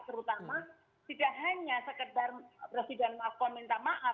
terutama tidak hanya sekedar presiden macron minta maaf